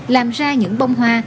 làm ra những bông hoa